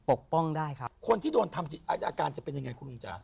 ปกป้องได้ครับคนที่โดนทำอาการจะเป็นยังไงคุณลุงจ๋า